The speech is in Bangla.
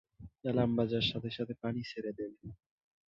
এলার্ম বাজার সাথে সাথে পানি ছেড়ে দেবে।